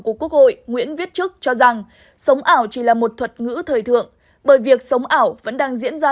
của quốc hội nguyễn viết chức cho rằng sống ảo chỉ là một thuật ngữ thời thượng bởi việc sống ảo vẫn đang diễn ra